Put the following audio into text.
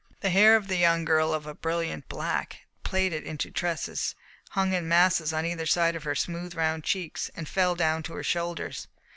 The hair of the young girl, of a brilliant black, plaited into tresses, hung in masses on either side of her smooth, round cheeks, and fell down to her shoulders.